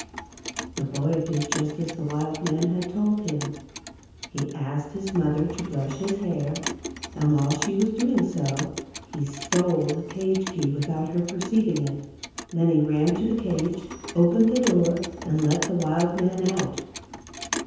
The boy did just as the wild man had told him. He asked his mother to brush his hair, and while she was doing so, he stole the cage key without her perceiving it. He then ran to the cage, opened the door, and let the wild man out.